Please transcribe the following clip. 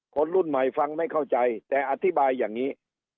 คนรุ่นใหม่ฟังไม่เข้าใจแต่อธิบายอย่างนี้